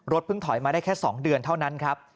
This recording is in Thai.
เพิ่งถอยมาได้แค่๒เดือนเท่านั้นครับ